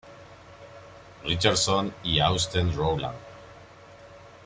Richardson y Austen Rowland.